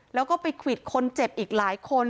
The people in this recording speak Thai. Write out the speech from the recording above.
แล้วก็ไปควิดคนเจ็บอีกหลายคน